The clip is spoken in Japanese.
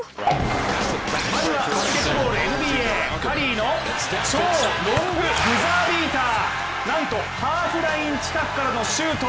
まずはバスケットボールＮＢＡカリーの超ロングブザービーターなんとハーフライン近くからのシュート。